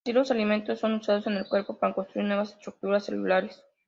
Así, los alimentos son usados por el cuerpo para construir nuevas estructuras celulares.